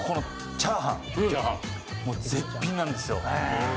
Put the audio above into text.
・チャーハン・もう絶品なんですよ。